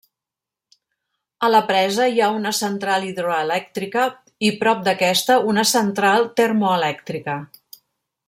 A la presa hi ha una central hidroelèctrica i prop d'aquesta, una central termoelèctrica.